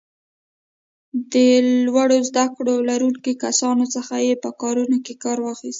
د لوړو زده کړو لرونکو کسانو څخه یې په کارونو کې کار واخیست.